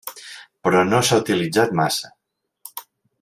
Però no s'ha utilitzat massa.